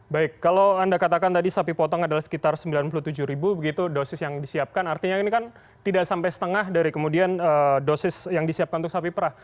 baik kalau anda katakan tadi sapi potong adalah sekitar sembilan puluh tujuh ribu begitu dosis yang disiapkan artinya ini kan tidak sampai setengah dari kemudian dosis yang disiapkan untuk sapi perah